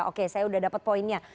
oke saya sudah dapat poinnya